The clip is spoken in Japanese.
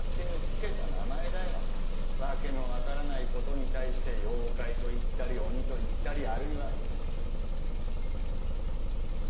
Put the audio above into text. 訳の分からないことに対して「妖怪」と言ったり「鬼」と言ったりあるいは「神」と言ったり。